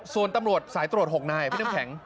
ส่วนตำรวจสายตรวจ๖นายพี่น้ำแข็ง